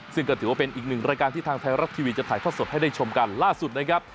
ซึ่งก็ถือว่าเป็นอีกหนึ่งรายการที่ทางไทยรัฐทีวีจะถ่ายทอดสดให้ได้ชมกันล่าสุดนะครับ